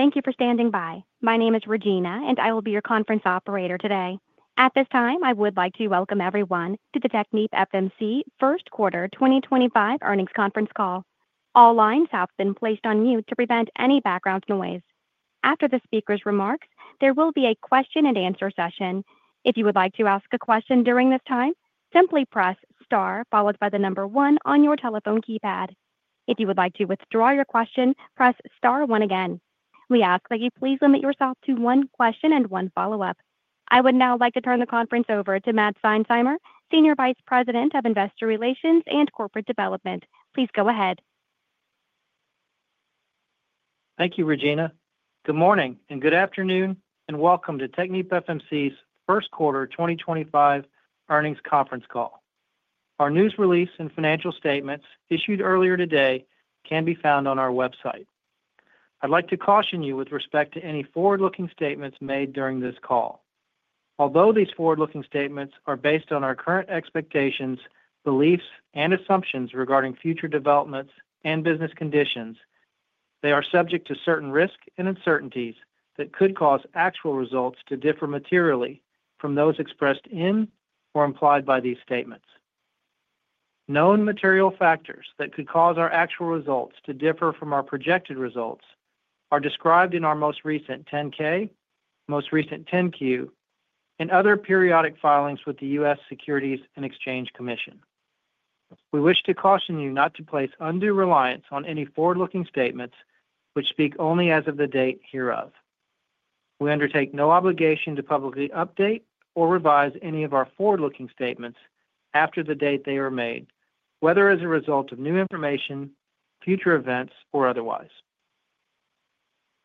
Thank you for standing by. My name is Regina, and I will be your conference operator today. At this time, I would like to welcome everyone to the TechnipFMC first quarter 2025 earnings conference call. All lines have been placed on mute to prevent any background noise. After the speaker's remarks, there will be a question-and-answer session. If you would like to ask a question during this time, simply press star followed by the number one on your telephone keypad. If you would like to withdraw your question, press star one again. We ask that you please limit yourself to one question and one follow-up. I would now like to turn the conference over to Matt Seinsheimer, Senior Vice President of Investor Relations and Corporate Development. Please go ahead. Thank you, Regina. Good morning and good afternoon, and welcome to TechnipFMC's first quarter 2025 earnings conference call. Our news release and financial statements issued earlier today can be found on our website. I'd like to caution you with respect to any forward-looking statements made during this call. Although these forward-looking statements are based on our current expectations, beliefs, and assumptions regarding future developments and business conditions, they are subject to certain risks and uncertainties that could cause actual results to differ materially from those expressed in or implied by these statements. Known material factors that could cause our actual results to differ from our projected results are described in our most recent 10-K, most recent 10-Q, and other periodic filings with the U.S. Securities and Exchange Commission. We wish to caution you not to place undue reliance on any forward-looking statements which speak only as of the date hereof. We undertake no obligation to publicly update or revise any of our forward-looking statements after the date they are made, whether as a result of new information, future events, or otherwise.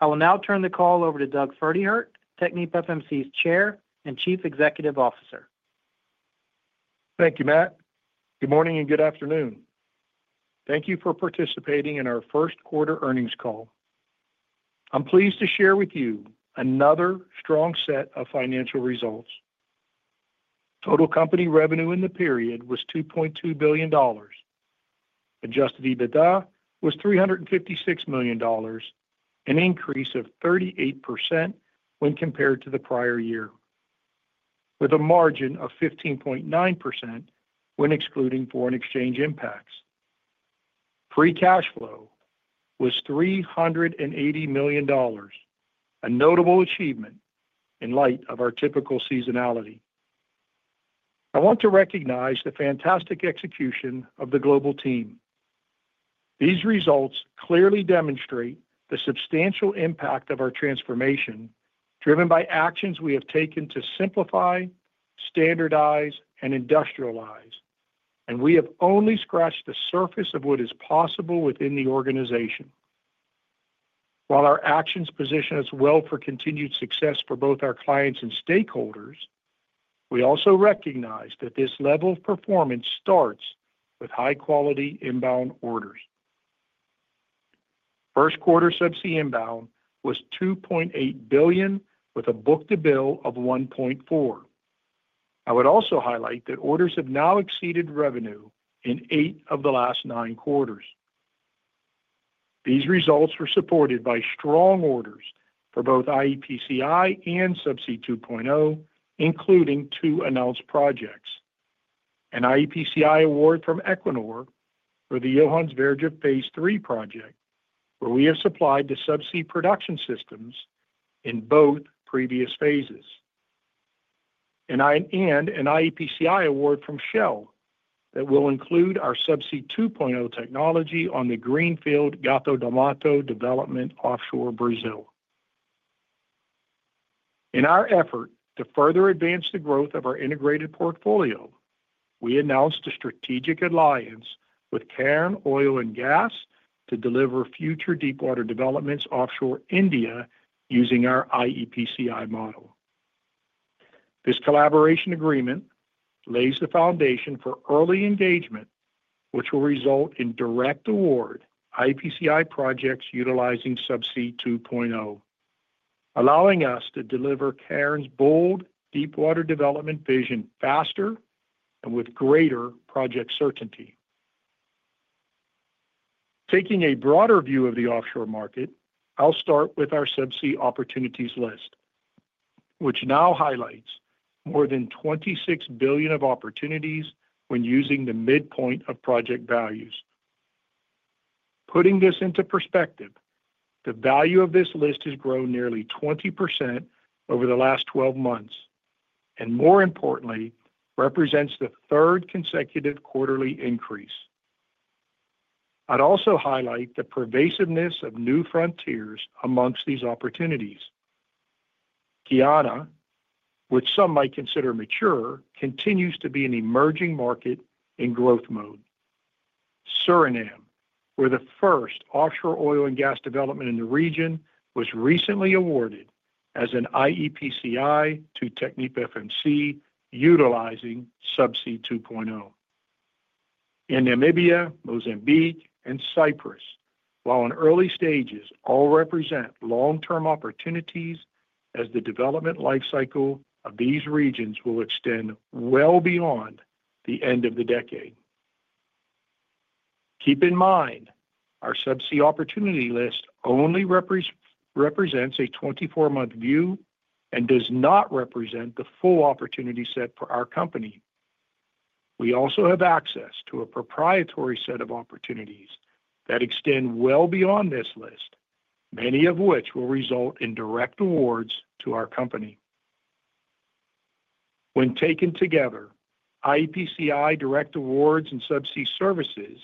I will now turn the call over to Doug Pferdehirt, TechnipFMC's Chair and Chief Executive Officer. Thank you, Matt. Good morning and good afternoon. Thank you for participating in our first quarter earnings call. I'm pleased to share with you another strong set of financial results. Total company revenue in the period was $2.2 billion. Adjusted EBITDA was $356 million, an increase of 38% when compared to the prior year, with a margin of 15.9% when excluding foreign exchange impacts. Free cash flow was $380 million, a notable achievement in light of our typical seasonality. I want to recognize the fantastic execution of the global team. These results clearly demonstrate the substantial impact of our transformation driven by actions we have taken to simplify, standardize, and industrialize, and we have only scratched the surface of what is possible within the organization. While our actions position us well for continued success for both our clients and stakeholders, we also recognize that this level of performance starts with high-quality inbound orders. First quarter Subsea inbound was $2.8 billion, with a book-to-bill of 1.4. I would also highlight that orders have now exceeded revenue in eight of the last nine quarters. These results were supported by strong orders for both iEPCI and Subsea 2.0, including two announced projects: an iEPCI award from Equinor for the Johan Sverdrup Phase 3 project, where we have supplied the subsea production systems in both previous phases, and an iEPCI award from Shell that will include our Subsea 2.0 technology on the greenfield Gato do Mato development offshore Brazil. In our effort to further advance the growth of our integrated portfolio, we announced a strategic alliance with Cairn Oil & Gas to deliver future deep-water developments offshore India using our iEPCI model. This collaboration agreement lays the foundation for early engagement, which will result in direct award iEPCI projects utilizing Subsea 2.0, allowing us to deliver Cairn's bold deep-water development vision faster and with greater project certainty. Taking a broader view of the offshore market, I'll start with our subsea opportunities list, which now highlights more than $26 billion of opportunities when using the midpoint of project values. Putting this into perspective, the value of this list has grown nearly 20% over the last 12 months and, more importantly, represents the third consecutive quarterly increase. I'd also highlight the pervasiveness of new frontiers amongst these opportunities. Guyana, which some might consider mature, continues to be an emerging market in growth mode. Suriname, where the first offshore oil and gas development in the region was recently awarded as an iEPCI to TechnipFMC utilizing Subsea 2.0. In Namibia, Mozambique, and Cyprus, while in early stages, all represent long-term opportunities as the development life cycle of these regions will extend well beyond the end of the decade. Keep in mind, our subsea opportunity list only represents a 24-month view and does not represent the full opportunity set for our company. We also have access to a proprietary set of opportunities that extend well beyond this list, many of which will result in direct awards to our company. When taken together, iEPCI direct awards and Subsea services,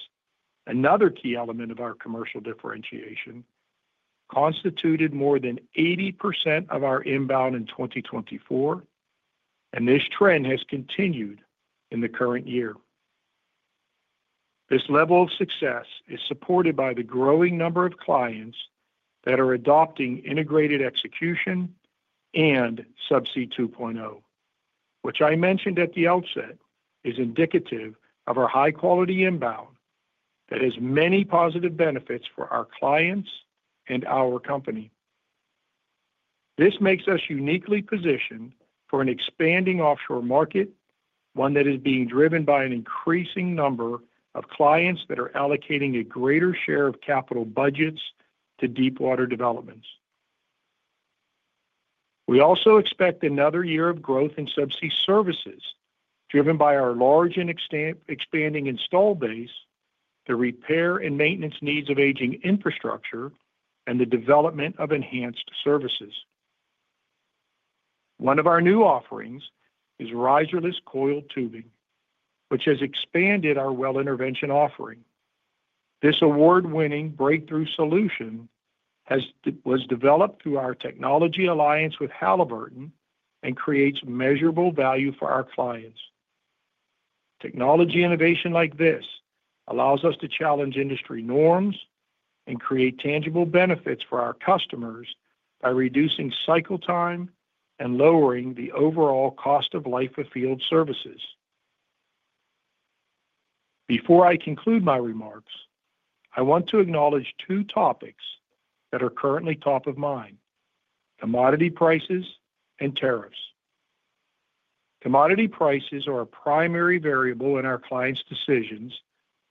another key element of our commercial differentiation, constituted more than 80% of our inbound in 2024, and this trend has continued in the current year. This level of success is supported by the growing number of clients that are adopting integrated execution and Subsea 2.0, which I mentioned at the outset is indicative of our high-quality inbound that has many positive benefits for our clients and our company. This makes us uniquely positioned for an expanding offshore market, one that is being driven by an increasing number of clients that are allocating a greater share of capital budgets to deep-water developments. We also expect another year of growth in Subsea services driven by our large and expanding install base, the repair and maintenance needs of aging infrastructure, and the development of enhanced services. One of our new offerings is Riserless Coiled Tubing, which has expanded our well intervention offering. This award-winning breakthrough solution was developed through our technology alliance with Halliburton and creates measurable value for our clients. Technology innovation like this allows us to challenge industry norms and create tangible benefits for our customers by reducing cycle time and lowering the overall cost of life of field services. Before I conclude my remarks, I want to acknowledge two topics that are currently top of mind: commodity prices and tariffs. Commodity prices are a primary variable in our clients' decisions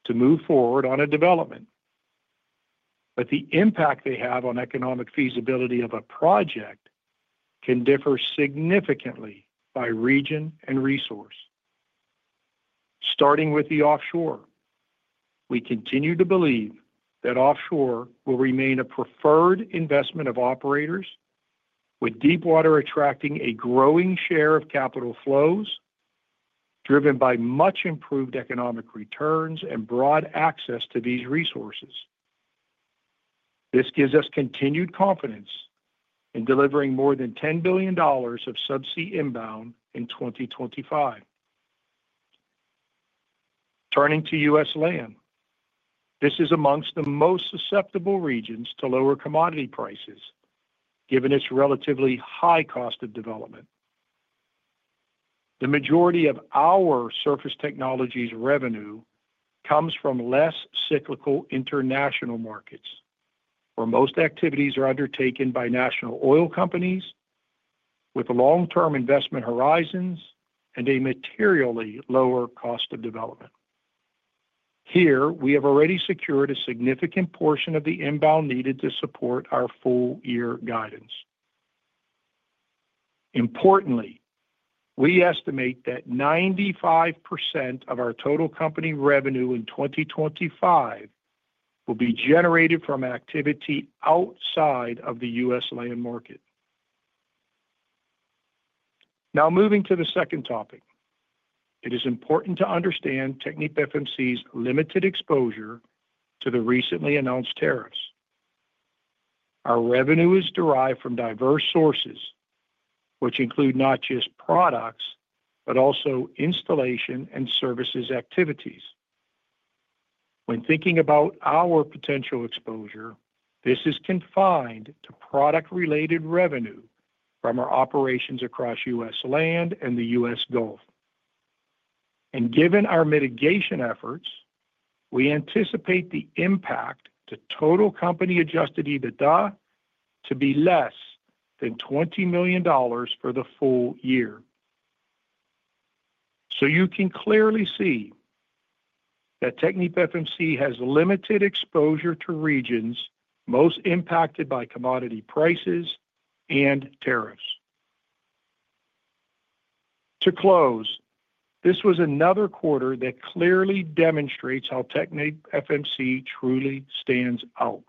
to move forward on a development, but the impact they have on economic feasibility of a project can differ significantly by region and resource. Starting with the offshore, we continue to believe that offshore will remain a preferred investment of operators, with deep water attracting a growing share of capital flows driven by much improved economic returns and broad access to these resources. This gives us continued confidence in delivering more than $10 billion of Subsea inbound in 2025. Turning to U.S. land, this is amongst the most susceptible regions to lower commodity prices, given its relatively high cost of development. The majority of our surface technologies revenue comes from less cyclical international markets, where most activities are undertaken by national oil companies, with long-term investment horizons and a materially lower cost of development. Here, we have already secured a significant portion of the inbound needed to support our full-year guidance. Importantly, we estimate that 95% of our total company revenue in 2025 will be generated from activity outside of the U.S. land market. Now, moving to the second topic, it is important to understand TechnipFMC's limited exposure to the recently-announced tariffs. Our revenue is derived from diverse sources, which include not just products but also installation and services activities. When thinking about our potential exposure, this is confined to product-related revenue from our operations across U.S. land and the U.S. Gulf. Given our mitigation efforts, we anticipate the impact to total company adjusted EBITDA to be less than $20 million for the full year. You can clearly see that TechnipFMC has limited exposure to regions most impacted by commodity prices and tariffs. To close, this was another quarter that clearly demonstrates how TechnipFMC truly stands out.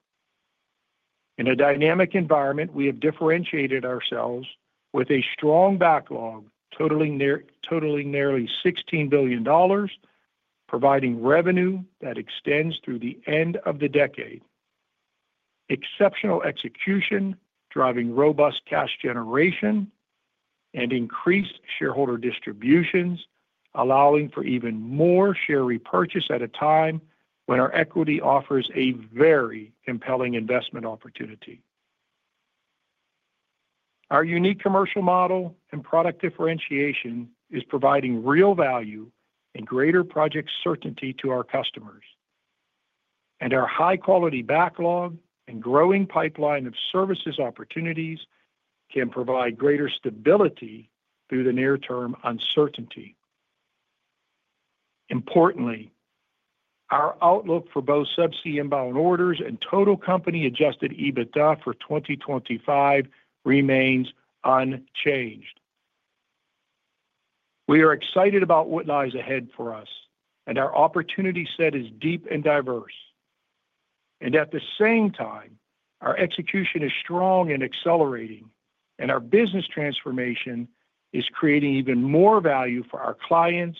In a dynamic environment, we have differentiated ourselves with a strong backlog totaling nearly $16 billion, providing revenue that extends through the end of the decade, exceptional execution driving robust cash generation and increased shareholder distributions, allowing for even more share repurchase at a time when our equity offers a very compelling investment opportunity. Our unique commercial model and product differentiation is providing real value and greater project certainty to our customers, and our high-quality backlog and growing pipeline of services opportunities can provide greater stability through the near-term uncertainty. Importantly, our outlook for both Subsea inbound orders and total company adjusted EBITDA for 2025 remains unchanged. We are excited about what lies ahead for us, and our opportunity set is deep and diverse. At the same time, our execution is strong and accelerating, and our business transformation is creating even more value for our clients,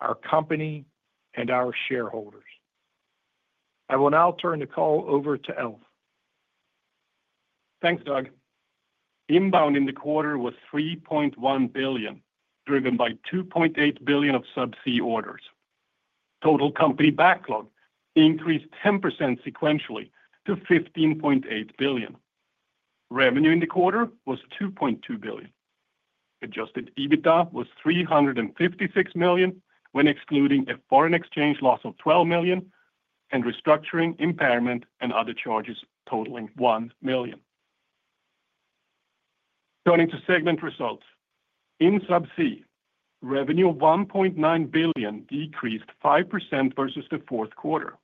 our company, and our shareholders. I will now turn the call over to Alf. Thanks, Doug. Inbound in the quarter was $3.1 billion, driven by $2.8 billion of Subsea orders. Total company backlog increased 10% sequentially to $15.8 billion. Revenue in the quarter was $2.2 billion. Adjusted EBITDA was $356 million when excluding a foreign exchange loss of $12 million and restructuring impairment and other charges totaling $1 million. Turning to segment results, in Subsea, revenue of $1.9 billion decreased 5% versus the fourth quarter.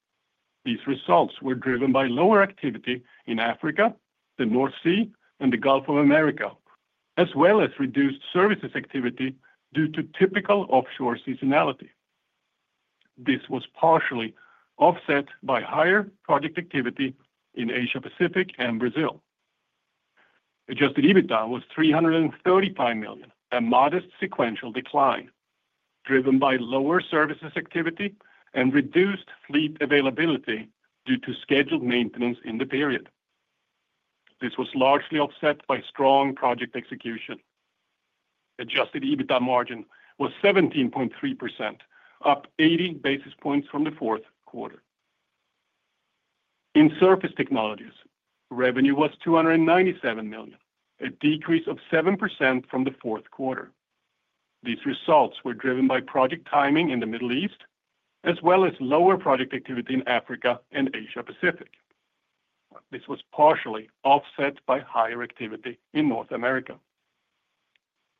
These results were driven by lower activity in Africa, the North Sea, and the Gulf of America, as well as reduced services activity due to typical offshore seasonality. This was partially offset by higher project activity in Asia-Pacific and Brazil. Adjusted EBITDA was $335 million, a modest sequential decline driven by lower services activity and reduced fleet availability due to scheduled maintenance in the period. This was largely offset by strong project execution. Adjusted EBITDA margin was 17.3%, up 80 basis points from the fourth quarter. In surface technologies, revenue was $297 million, a decrease of 7% from the fourth quarter. These results were driven by project timing in the Middle East, as well as lower project activity in Africa and Asia-Pacific. This was partially offset by higher activity in North America.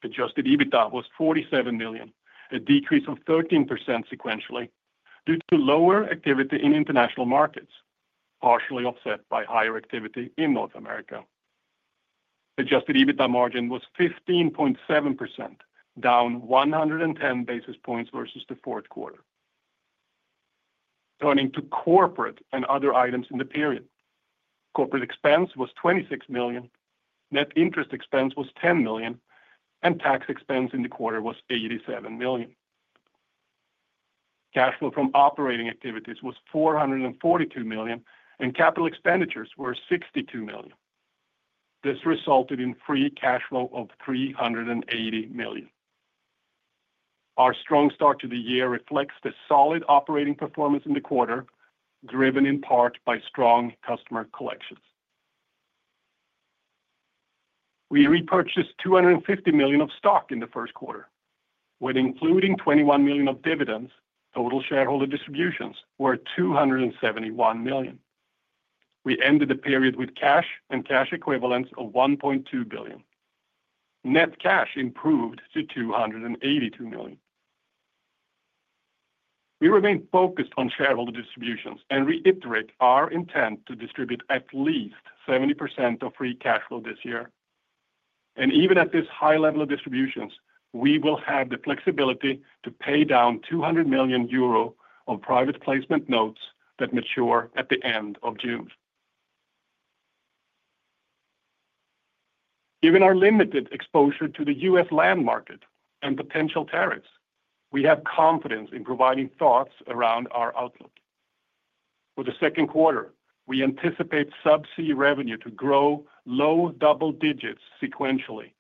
Adjusted EBITDA was $47 million, a decrease of 13% sequentially due to lower activity in international markets, partially offset by higher activity in North America. Adjusted EBITDA margin was 15.7%, down 110 basis points versus the fourth quarter. Turning to corporate and other items in the period, corporate expense was $26 million, net interest expense was $10 million, and tax expense in the quarter was $87 million. Cash flow from operating activities was $442 million, and capital expenditures were $62 million. This resulted in free cash flow of $380 million. Our strong start to the year reflects the solid operating performance in the quarter, driven in part by strong customer collections. We repurchased $250 million of stock in the first quarter. When including $21 million of dividends, total shareholder distributions were $271 million. We ended the period with cash and cash equivalents of $1.2 billion. Net cash improved to $282 million. We remain focused on shareholder distributions and reiterate our intent to distribute at least 70% of free cash flow this year. Even at this high level of distributions, we will have the flexibility to pay down 200 million euro of private placement notes that mature at the end of June. Given our limited exposure to the U.S. land market and potential tariffs, we have confidence in providing thoughts around our outlook. For the second quarter, we anticipate Subsea revenue to grow low double digits sequentially,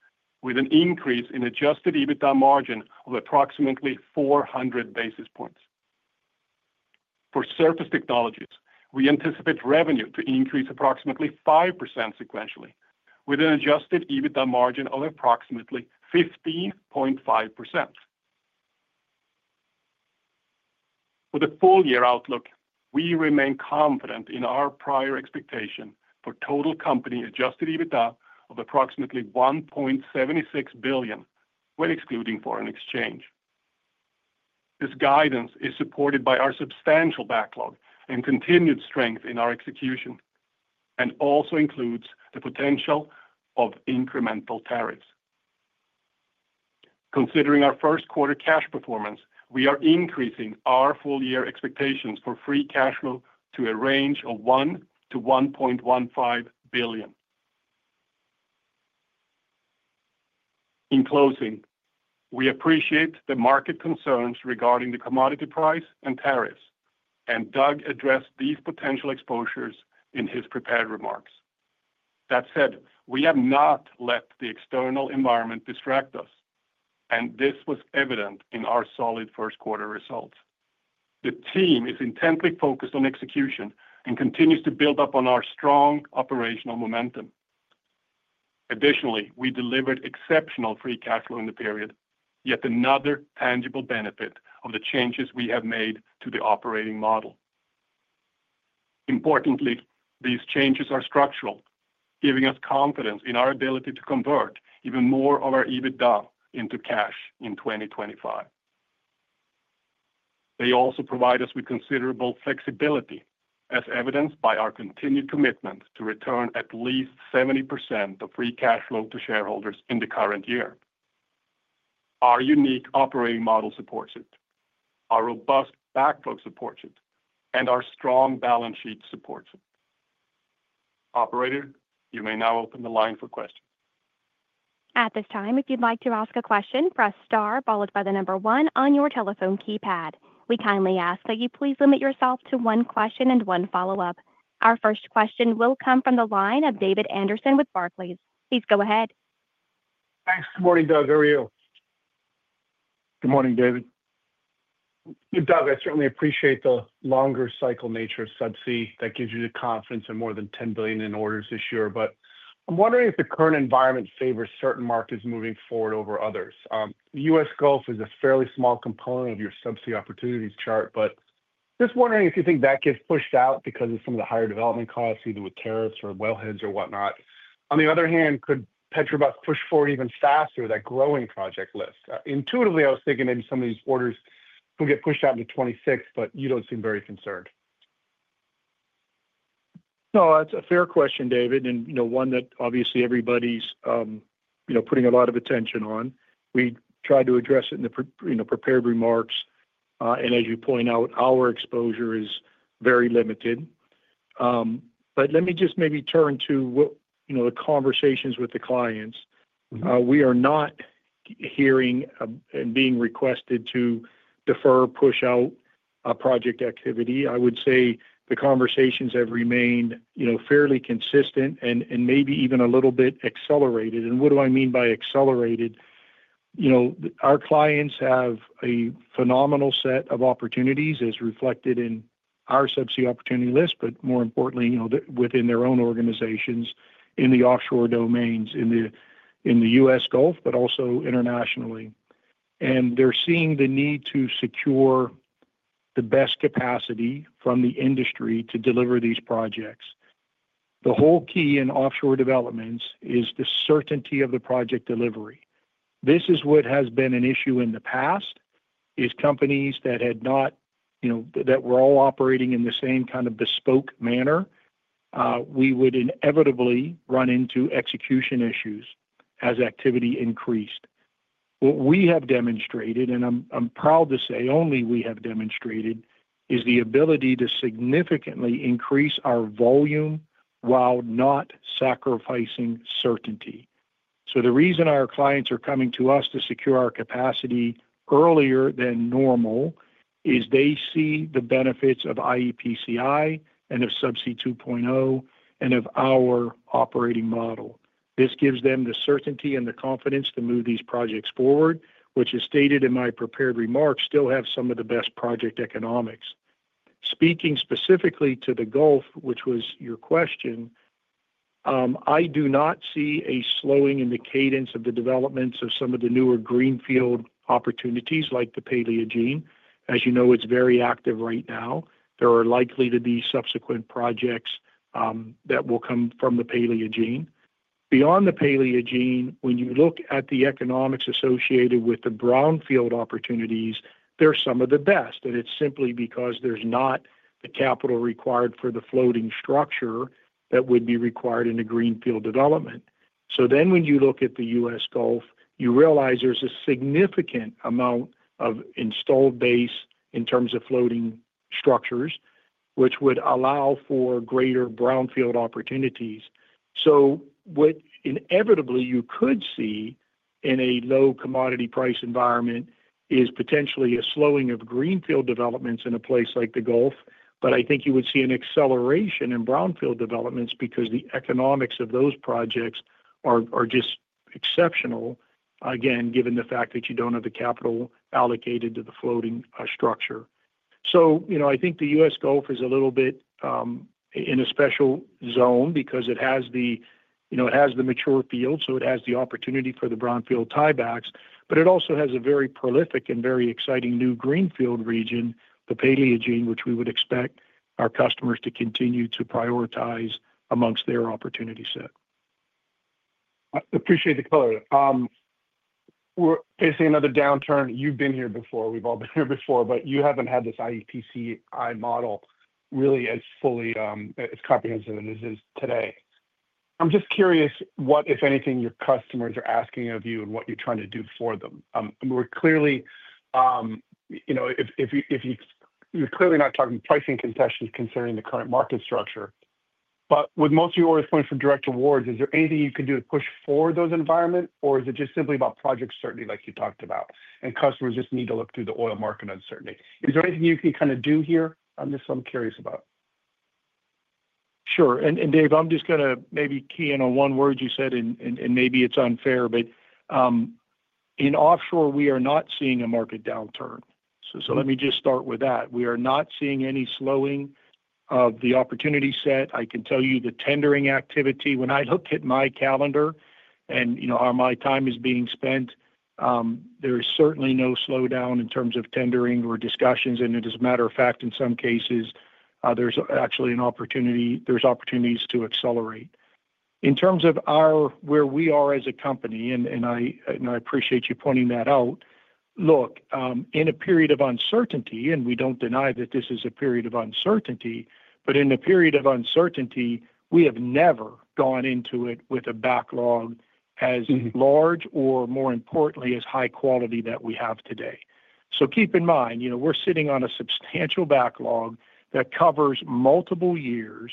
with an increase in adjusted EBITDA margin of approximately 400 basis points. For surface technologies, we anticipate revenue to increase approximately 5% sequentially, with an adjusted EBITDA margin of approximately 15.5%. For the full-year outlook, we remain confident in our prior expectation for total company adjusted EBITDA of approximately $1.76 billion when excluding foreign exchange. This guidance is supported by our substantial backlog and continued strength in our execution, and also includes the potential of incremental tariffs. Considering our first quarter cash performance, we are increasing our full-year expectations for free cash flow to a range of $1 billion-$1.15 billion. In closing, we appreciate the market concerns regarding the commodity price and tariffs, and Doug addressed these potential exposures in his prepared remarks. That said, we have not let the external environment distract us, and this was evident in our solid first quarter results. The team is intently focused on execution and continues to build up on our strong operational momentum. Additionally, we delivered exceptional free cash flow in the period, yet another tangible benefit of the changes we have made to the operating model. Importantly, these changes are structural, giving us confidence in our ability to convert even more of our EBITDA into cash in 2025. They also provide us with considerable flexibility, as evidenced by our continued commitment to return at least 70% of free cash flow to shareholders in the current year. Our unique operating model supports it, our robust backlog supports it, and our strong balance sheet supports it. Operator, you may now open the line for questions. At this time, if you'd like to ask a question, press star, followed by the number one on your telephone keypad. We kindly ask that you please limit yourself to one question and one follow-up. Our first question will come from the line of David Anderson with Barclays. Please go ahead. Thanks. Good morning, Doug. How are you? Good morning, David. Doug, I certainly appreciate the longer cycle nature of Subsea. That gives you the confidence in more than $10 billion in orders this year, but I'm wondering if the current environment favors certain markets moving forward over others. The U.S. Gulf is a fairly small component of your subsea opportunities chart, but just wondering if you think that gets pushed out because of some of the higher development costs, either with tariffs or wellheads or whatnot. On the other hand, could Petrobras push forward even faster that growing project list? Intuitively, I was thinking maybe some of these orders could get pushed out into 2026, but you don't seem very concerned. No, that's a fair question, David, and one that obviously everybody's putting a lot of attention on. We tried to address it in the prepared remarks, and as you point out, our exposure is very limited. Let me just maybe turn to the conversations with the clients. We are not hearing and being requested to defer or push out project activity. I would say the conversations have remained fairly consistent and maybe even a little bit accelerated. What do I mean by accelerated? Our clients have a phenomenal set of opportunities, as reflected in our subsea opportunity list, but more importantly, within their own organizations in the offshore domains in the U.S. Gulf, but also internationally. They are seeing the need to secure the best capacity from the industry to deliver these projects. The whole key in offshore developments is the certainty of the project delivery. This is what has been an issue in the past, is companies that had not, that were all operating in the same kind of bespoke manner, we would inevitably run into execution issues as activity increased. What we have demonstrated, and I'm proud to say only we have demonstrated, is the ability to significantly increase our volume while not sacrificing certainty. The reason our clients are coming to us to secure our capacity earlier than normal is they see the benefits of iEPCI and of Subsea 2.0 and of our operating model. This gives them the certainty and the confidence to move these projects forward, which is stated in my prepared remarks, still have some of the best project economics. Speaking specifically to the Gulf, which was your question, I do not see a slowing in the cadence of the developments of some of the newer greenfield opportunities like the Paleogene. As you know, it's very active right now. There are likely to be subsequent projects that will come from the Paleogene. Beyond the Paleogene, when you look at the economics associated with the brownfield opportunities, they're some of the best, and it's simply because there's not the capital required for the floating structure that would be required in a greenfield development. When you look at the U.S. Gulf, you realize there's a significant amount of installed base in terms of floating structures, which would allow for greater brownfield opportunities. What inevitably you could see in a low commodity price environment is potentially a slowing of greenfield developments in a place like the Gulf, but I think you would see an acceleration in brownfield developments because the economics of those projects are just exceptional, again, given the fact that you don't have the capital allocated to the floating structure. I think the U.S. Gulf is a little bit in a special zone because it has the mature field, so it has the opportunity for the brownfield tiebacks, but it also has a very prolific and very exciting new greenfield region, the Paleogene, which we would expect our customers to continue to prioritize amongst their opportunity set. Appreciate the color. We're facing another downturn. You've been here before. We've all been here before, but you haven't had this iEPCI model really as fully, as comprehensive as it is today. I'm just curious what, if anything, your customers are asking of you and what you're trying to do for them. You're clearly not talking pricing concessions concerning the current market structure, but with most of your orders coming from direct awards, is there anything you can do to push for those environments, or is it just simply about project certainty like you talked about, and customers just need to look through the oil market uncertainty? Is there anything you can kind of do here? This is what I'm curious about. Sure. Dave, I'm just going to maybe key in on one word you said, and maybe it's unfair, but in offshore, we are not seeing a market downturn. Let me just start with that. We are not seeing any slowing of the opportunity set. I can tell you the tendering activity. When I look at my calendar and how my time is being spent, there is certainly no slowdown in terms of tendering or discussions. As a matter of fact, in some cases, there's actually an opportunity, there's opportunities to accelerate. In terms of where we are as a company, and I appreciate you pointing that out, look, in a period of uncertainty, and we do not deny that this is a period of uncertainty, but in a period of uncertainty, we have never gone into it with a backlog as large or, more importantly, as high quality that we have today. Keep in mind, we are sitting on a substantial backlog that covers multiple years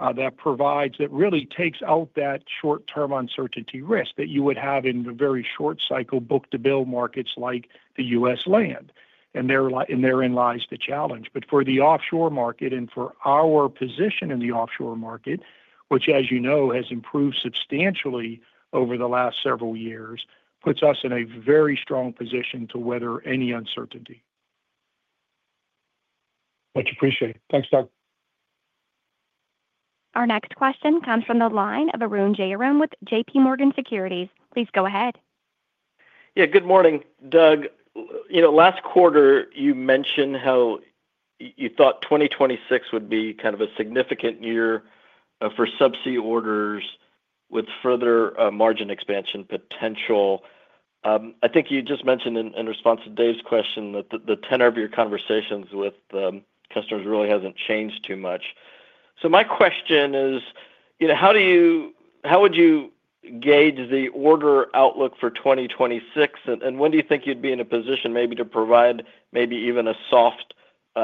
that really takes out that short-term uncertainty risk that you would have in the very short cycle book-to-bill markets like the U.S. land. Therein lies the challenge. For the offshore market and for our position in the offshore market, which, as you know, has improved substantially over the last several years, it puts us in a very strong position to weather any uncertainty. Much appreciated. Thanks, Doug. Our next question comes from the line of Arun Jayaram with JPMorgan Securities. Please go ahead. Yeah, good morning, Doug. Last quarter, you mentioned how you thought 2026 would be kind of a significant year for subsea orders with further margin expansion potential. I think you just mentioned in response to Dave's question that the tenor of your conversations with customers really hasn't changed too much. My question is, how would you gauge the order outlook for 2026, and when do you think you'd be in a position maybe to provide maybe even a soft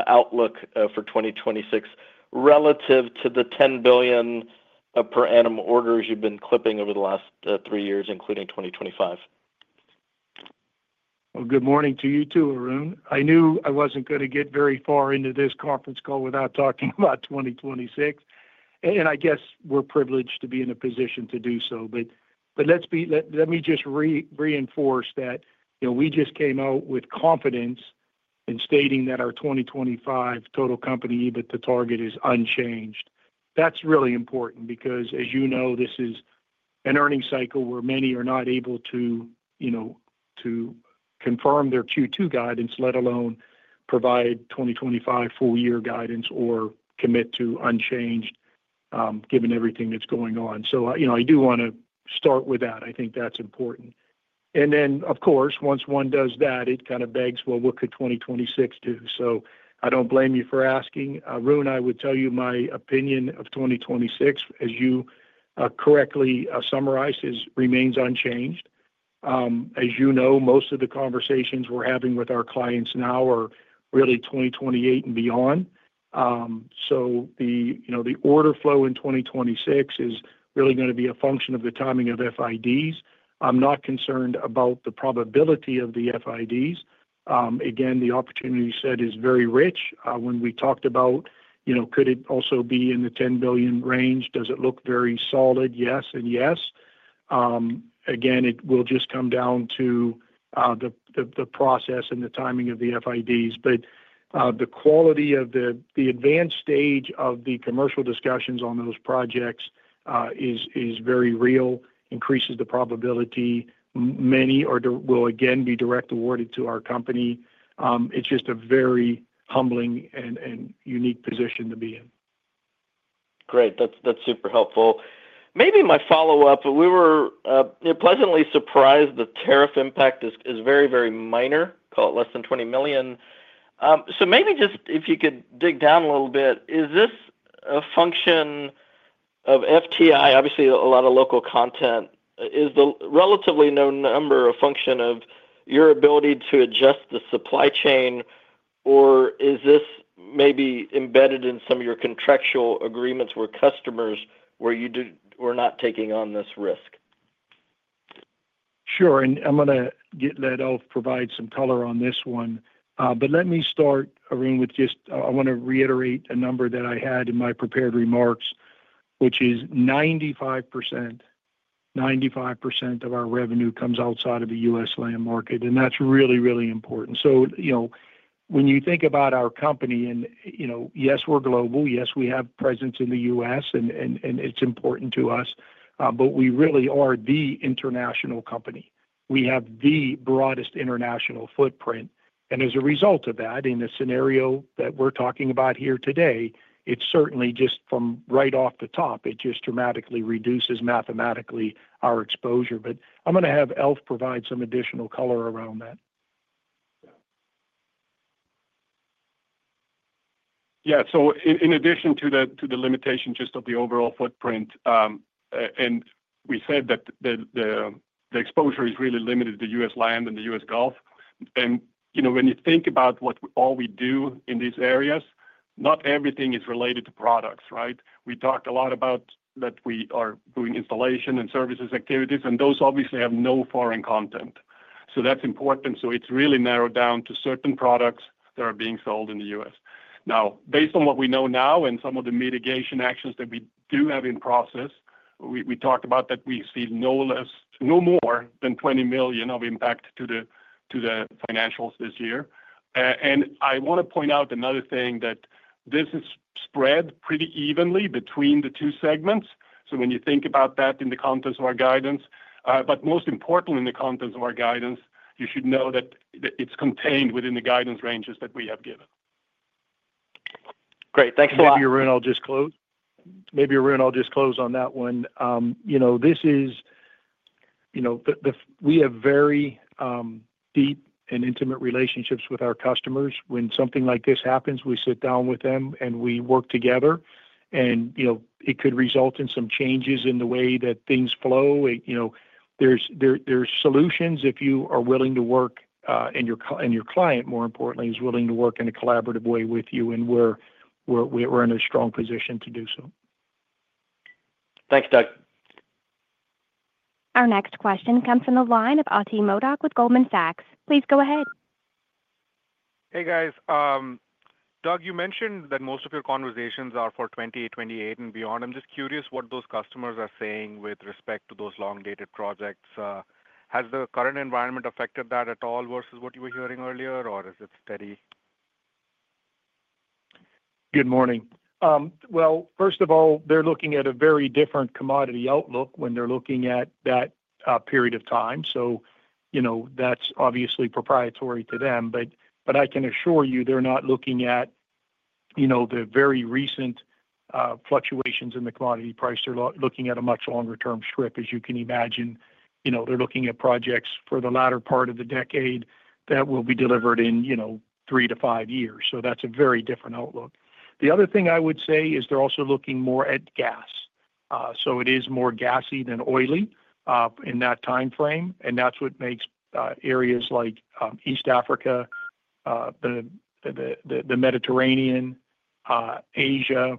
outlook for 2026 relative to the $10 billion per annum orders you've been clipping over the last three years, including 2025? Good morning to you too, Arun. I knew I wasn't going to get very far into this conference call without talking about 2026, and I guess we're privileged to be in a position to do so. Let me just reinforce that we just came out with confidence in stating that our 2025 total company EBITDA target is unchanged. That's really important because, as you know, this is an earnings cycle where many are not able to confirm their Q2 guidance, let alone provide 2025 full-year guidance or commit to unchanged given everything that's going on. I do want to start with that. I think that's important. Of course, once one does that, it kind of begs, well, what could 2026 do? I don't blame you for asking. Arun, I would tell you my opinion of 2026, as you correctly summarized, remains unchanged. As you know, most of the conversations we're having with our clients now are really 2028 and beyond. The order flow in 2026 is really going to be a function of the timing of FIDs. I'm not concerned about the probability of the FIDs. Again, the opportunity set is very rich. When we talked about could it also be in the $10 billion range, does it look very solid, yes and yes. It will just come down to the process and the timing of the FIDs. The quality of the advanced stage of the commercial discussions on those projects is very real, increases the probability. Many will again be direct awarded to our company. It's just a very humbling and unique position to be in. Great. That's super helpful. Maybe my follow-up, we were pleasantly surprised the tariff impact is very, very minor, call it less than $20 million. If you could dig down a little bit, is this a function of FTI, obviously a lot of local content, is the relatively known number a function of your ability to adjust the supply chain, or is this maybe embedded in some of your contractual agreements where customers were not taking on this risk? Sure. I'm going to let Alf provide some color on this one. Let me start, Arun, with just I want to reiterate a number that I had in my prepared remarks, which is 95%, 95% of our revenue comes outside of the U.S. land market, and that's really, really important. When you think about our company, and yes, we're global, yes, we have presence in the U.S., and it's important to us, but we really are the international company. We have the broadest international footprint. As a result of that, in the scenario that we're talking about here today, it certainly just from right off the top, it just dramatically reduces mathematically our exposure. I'm going to have Alf provide some additional color around that. Yeah. In addition to the limitation just of the overall footprint, we said that the exposure is really limited to the U.S. land and the U.S. Gulf. When you think about what all we do in these areas, not everything is related to products, right? We talked a lot about that we are doing installation and services activities, and those obviously have no foreign content. That is important. It is really narrowed down to certain products that are being sold in the U.S. Now, based on what we know now and some of the mitigation actions that we do have in process, we talked about that we see no more than $20 million of impact to the financials this year. I want to point out another thing that this is spread pretty evenly between the two segments. When you think about that in the contents of our guidance, but most importantly, in the contents of our guidance, you should know that it's contained within the guidance ranges that we have given. Great. Thanks a lot. Maybe Arun, I'll just close on that one. We have very deep and intimate relationships with our customers. When something like this happens, we sit down with them and we work together, and it could result in some changes in the way that things flow. There are solutions if you are willing to work, and your client, more importantly, is willing to work in a collaborative way with you, and we're in a strong position to do so. Thanks, Doug. Our next question comes from the line of Ati Modak with Goldman Sachs. Please go ahead. Hey, guys. Doug, you mentioned that most of your conversations are for 2028 and beyond. I'm just curious what those customers are saying with respect to those long-dated projects. Has the current environment affected that at all versus what you were hearing earlier, or is it steady? Good morning. First of all, they're looking at a very different commodity outlook when they're looking at that period of time. That's obviously proprietary to them. I can assure you they're not looking at the very recent fluctuations in the commodity price. They're looking at a much longer-term strip, as you can imagine. They're looking at projects for the latter part of the decade that will be delivered in three to five years. That's a very different outlook. The other thing I would say is they're also looking more at gas. It is more gassy than oily in that time frame, and that's what makes areas like East Africa, the Mediterranean, Asia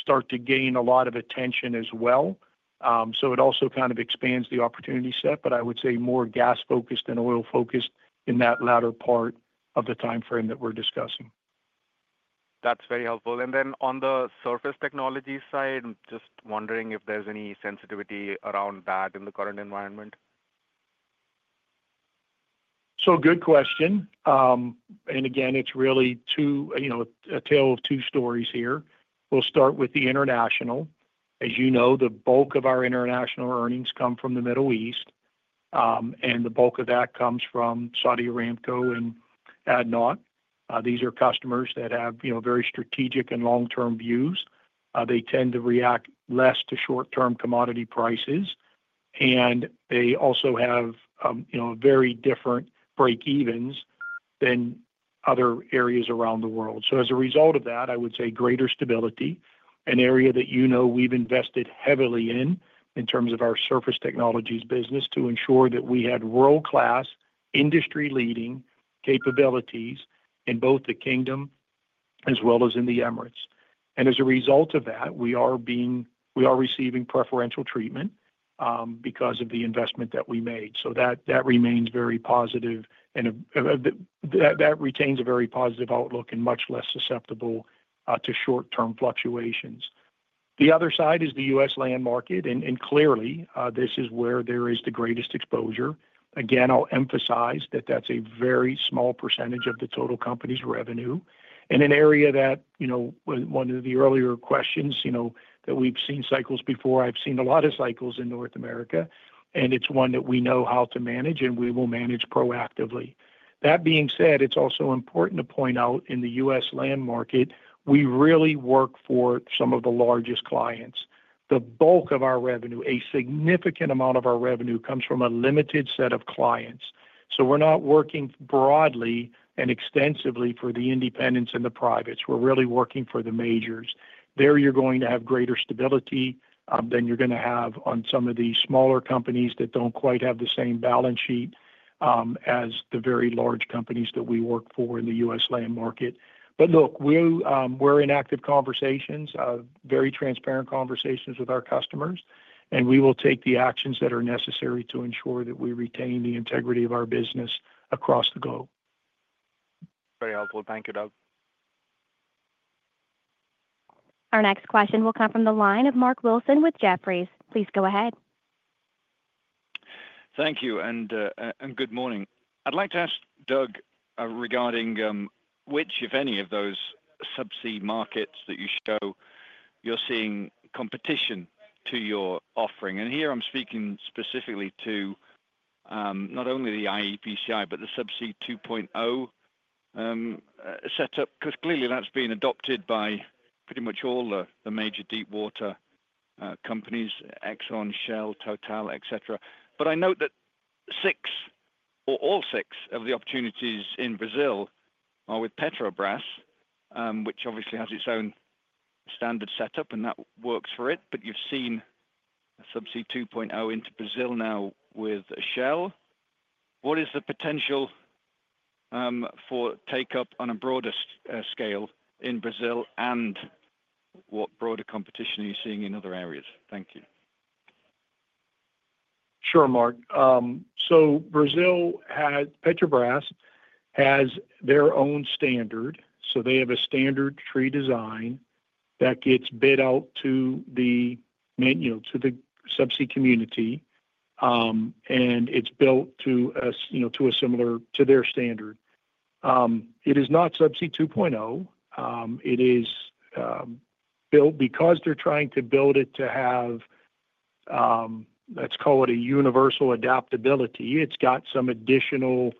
start to gain a lot of attention as well. It also kind of expands the opportunity set, but I would say more gas-focused than oil-focused in that latter part of the time frame that we're discussing. That's very helpful. On the surface technology side, I'm just wondering if there's any sensitivity around that in the current environment. Good question. Again, it's really a tale of two stories here. We'll start with the international. As you know, the bulk of our international earnings come from the Middle East, and the bulk of that comes from Saudi Aramco and ADNOC. These are customers that have very strategic and long-term views. They tend to react less to short-term commodity prices, and they also have very different break-evens than other areas around the world. As a result of that, I would say greater stability, an area that you know we've invested heavily in in terms of our surface technologies business to ensure that we had world-class industry-leading capabilities in both the Kingdom as well as in the Emirates. As a result of that, we are receiving preferential treatment because of the investment that we made. That remains very positive, and that retains a very positive outlook and much less susceptible to short-term fluctuations. The other side is the U.S. land market, and clearly, this is where there is the greatest exposure. Again, I'll emphasize that that's a very small percentage of the total company's revenue. An area that, one of the earlier questions, that we've seen cycles before, I've seen a lot of cycles in North America, and it's one that we know how to manage, and we will manage proactively. That being said, it's also important to point out in the U.S. land market, we really work for some of the largest clients. The bulk of our revenue, a significant amount of our revenue, comes from a limited set of clients. We're not working broadly and extensively for the independents and the privates. We're really working for the majors. There you're going to have greater stability than you're going to have on some of these smaller companies that do not quite have the same balance sheet as the very large companies that we work for in the U.S. land market. Look, we're in active conversations, very transparent conversations with our customers, and we will take the actions that are necessary to ensure that we retain the integrity of our business across the globe. Very helpful. Thank you, Doug. Our next question will come from the line of Mark Wilson with Jefferies. Please go ahead. Thank you, and good morning. I'd like to ask Doug regarding which, if any, of those subsea markets that you show you're seeing competition to your offering. Here I'm speaking specifically to not only the iEPCI, but the Subsea 2.0 setup, because clearly that's being adopted by pretty much all the major deepwater companies, Exxon, Shell, Total, etc. I note that all six of the opportunities in Brazil are with Petrobras, which obviously has its own standard setup, and that works for it. You've seen Subsea 2.0 into Brazil now with Shell. What is the potential for take-up on a broader scale in Brazil, and what broader competition are you seeing in other areas? Thank you. Sure, Mark. Petrobras has their own standard. They have a standard tree design that gets bid out to the subsea community, and it is built similar to their standard. It is not Subsea 2.0. It is built because they are trying to build it to have, let's call it, a universal adaptability. It has some additional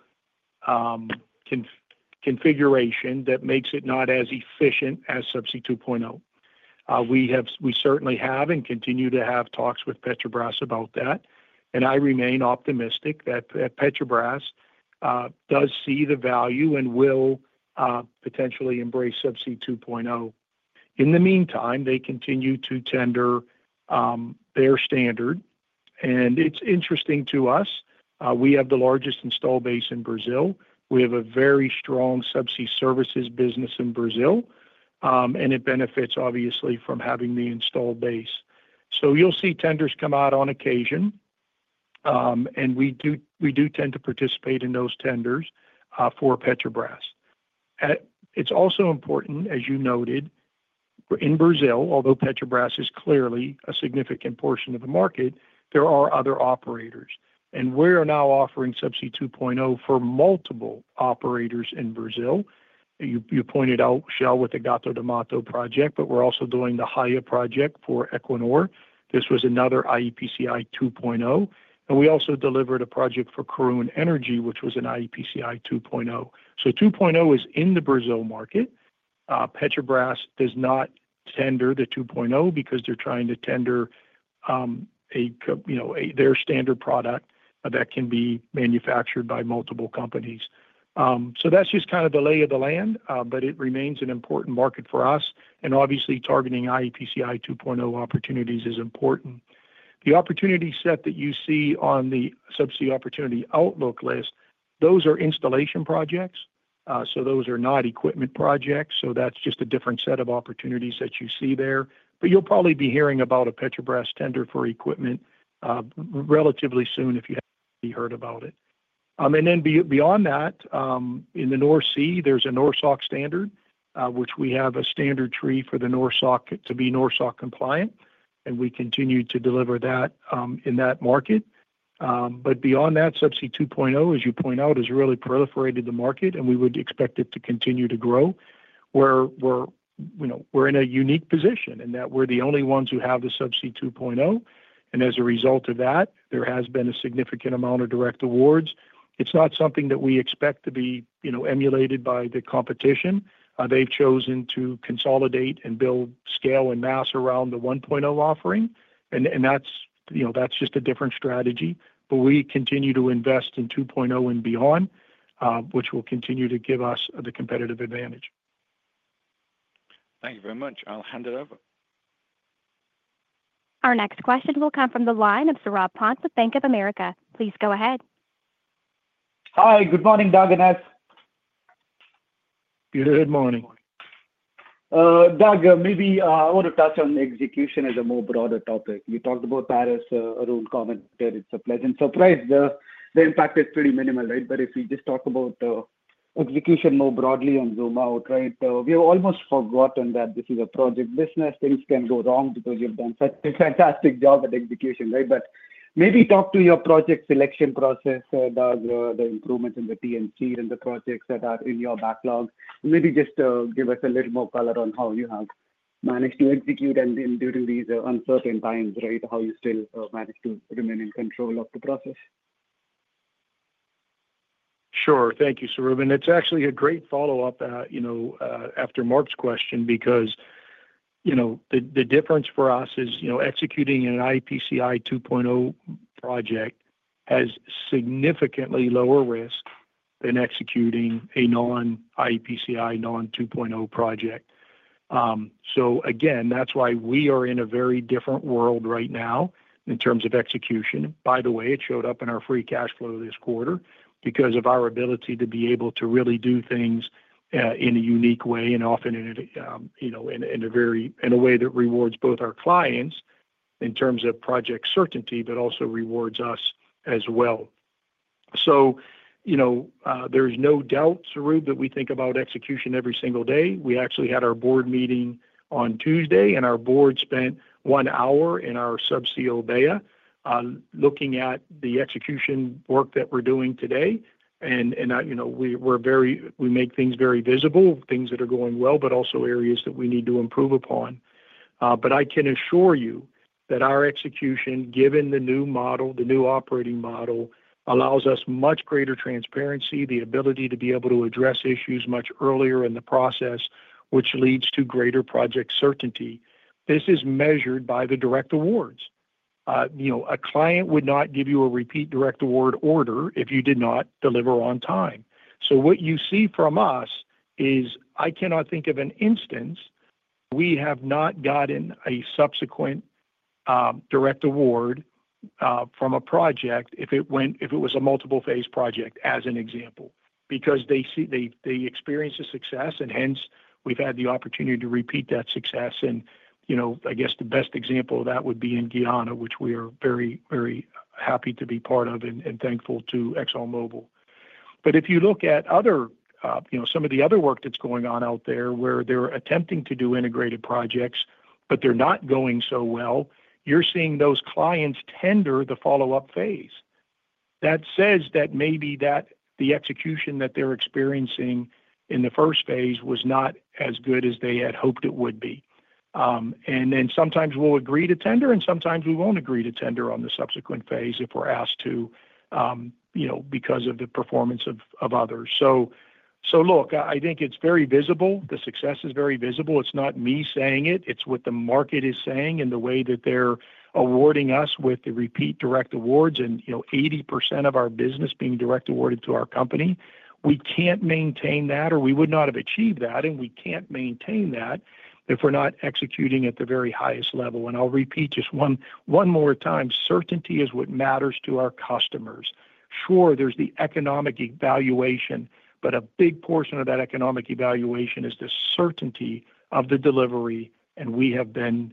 configuration that makes it not as efficient as Subsea 2.0. We certainly have and continue to have talks with Petrobras about that. I remain optimistic that Petrobras does see the value and will potentially embrace Subsea 2.0. In the meantime, they continue to tender their standard. It is interesting to us. We have the largest install base in Brazil. We have a very strong subsea services business in Brazil, and it benefits, obviously, from having the install base. You will see tenders come out on occasion, and we do tend to participate in those tenders for Petrobras. It is also important, as you noted, in Brazil, although Petrobras is clearly a significant portion of the market, there are other operators. We are now offering Subsea 2.0 for multiple operators in Brazil. You pointed out Shell with the Gato do Mato project, but we are also doing the Heidrun project for Equinor. This was another iEPCI 2.0. We also delivered a project for Karoon Energy, which was an iEPCI 2.0. Subsea 2.0 is in the Brazil market. Petrobras does not tender the 2.0 because they are trying to tender their standard product that can be manufactured by multiple companies. That is just kind of the lay of the land, but it remains an important market for us. Obviously, targeting iEPCI 2.0 opportunities is important. The opportunity set that you see on the subsea opportunity outlook list, those are installation projects. Those are not equipment projects. That is just a different set of opportunities that you see there. You will probably be hearing about a Petrobras tender for equipment relatively soon if you have not heard about it. Beyond that, in the North Sea, there is a NORSOK standard, which we have a standard tree for the NORSOK to be NORSOK-compliant. We continue to deliver that in that market. Beyond that, Subsea 2.0, as you point out, has really proliferated the market, and we would expect it to continue to grow. We are in a unique position in that we are the only ones who have the Subsea 2.0. As a result of that, there has been a significant amount of direct awards. It's not something that we expect to be emulated by the competition. They've chosen to consolidate and build scale and mass around the 1.0 offering. That's just a different strategy. We continue to invest in 2.0 and beyond, which will continue to give us the competitive advantage. Thank you very much. I'll hand it over. Our next question will come from the line of Saurabh Pant with Bank of America. Please go ahead. Hi. Good morning, Doug and Alf. Good morning. Doug, maybe I want to touch on execution as a more broader topic. You talked about tariffs, Arun, commented. It's a pleasant surprise. The impact is pretty minimal, right? If we just talk about execution more broadly and zoom out, right, we have almost forgotten that this is a project business. Things can go wrong because you've done such a fantastic job at execution, right? Maybe talk to your project selection process, Doug, the improvements in the T&C and the projects that are in your backlog. Maybe just give us a little more color on how you have managed to execute and during these uncertain times, right, how you still manage to remain in control of the process. Sure. Thank you, Saurabh. It's actually a great follow-up after Mark's question because the difference for us is executing an iEPCI 2.0 project has significantly lower risk than executing a non-iEPCI, non-2.0 project. Again, that's why we are in a very different world right now in terms of execution. By the way, it showed up in our free cash flow this quarter because of our ability to be able to really do things in a unique way and often in a way that rewards both our clients in terms of project certainty, but also rewards us as well. There's no doubt, Saurabh, that we think about execution every single day. We actually had our board meeting on Tuesday, and our Board spent one hour in our subsea Obeya looking at the execution work that we're doing today. We make things very visible, things that are going well, but also areas that we need to improve upon. I can assure you that our execution, given the new model, the new operating model, allows us much greater transparency, the ability to be able to address issues much earlier in the process, which leads to greater project certainty. This is measured by the direct awards. A client would not give you a repeat direct award order if you did not deliver on time. What you see from us is I cannot think of an instance we have not gotten a subsequent direct award from a project if it was a multiple-phase project, as an example, because they experience a success, and hence we've had the opportunity to repeat that success. I guess the best example of that would be in Guyana, which we are very, very happy to be part of and thankful to ExxonMobil. If you look at some of the other work that is going on out there where they are attempting to do integrated projects, but they are not going so well, you are seeing those clients tender the follow-up phase. That says that maybe the execution that they are experiencing in the first phase was not as good as they had hoped it would be. Sometimes we will agree to tender, and sometimes we will not agree to tender on the subsequent phase if we are asked to because of the performance of others. Look, I think it is very visible. The success is very visible. It is not me saying it. It's what the market is saying in the way that they're awarding us with the repeat direct awards and 80% of our business being direct awarded to our company. We can't maintain that, or we would not have achieved that, and we can't maintain that if we're not executing at the very highest level. I'll repeat just one more time. Certainty is what matters to our customers. Sure, there's the economic evaluation, but a big portion of that economic evaluation is the certainty of the delivery, and we have been